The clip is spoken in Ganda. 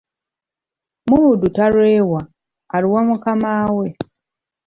Muddu talwewa, aluwa mukamaawe.